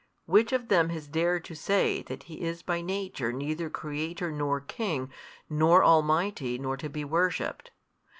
which of them has dared to say that He is by Nature neither Creator nor King nor Almighty nor to be worshipped?